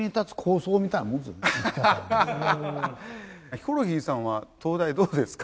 ヒコロヒーさんは灯台どうですか？